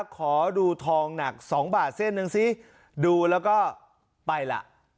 ขอดูทองหนัก๒บาทเส้นหนึ่งซิดูแล้วก็ไปล่ะ